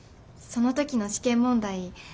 その時の試験問題